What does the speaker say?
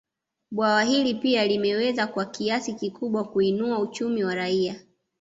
Bwawa hili pia limeweza kwa kiasi kikubwa kuinua uchumi wa raia